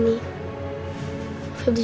ibu bisa berangkat lagi ke luar